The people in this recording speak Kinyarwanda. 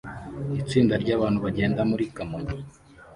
Itsinda ryabantu bagenda muri kanyoni